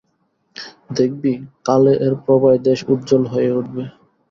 দেখবি, কালে এর প্রভায় দেশ উজ্জ্বল হয়ে উঠবে।